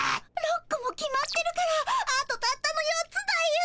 ６こも決まってるからあとたったの４つだよ。